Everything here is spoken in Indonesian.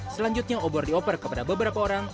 selanjutnya obor dioper kepada beberapa orang